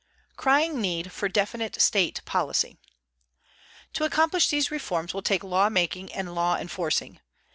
_" CRYING NEED FOR DEFINITE STATE POLICY To accomplish these reforms will take law making and law enforcing.